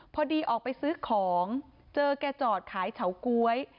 พอดีออกไปซื้อของเจอแกจอดขายเฉาก๊วย